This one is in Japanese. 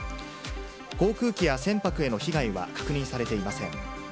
航空機や船舶への被害は確認されていません。